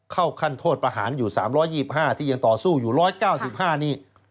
เข้าขั้นโทษประหารอยู่๓๒๕ที่ยังต่อสู้อยู่๑๙๕นี่